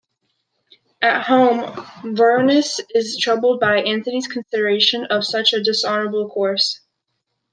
At home, Vorenus is troubled by Antony's consideration of such a dishonorable course.